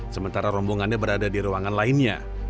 sementara rombongannya berada di ruangan lainnya